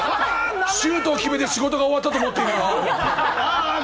シュートを決めて、仕事が終わったと思ってるな？